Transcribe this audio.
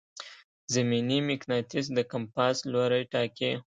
زمیني مقناطیس د کمپاس لوری ټاکي.